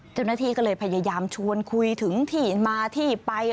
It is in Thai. เจ้าหน้าที่ก็เลยพยายามชวนคุยถึงที่มาที่ไป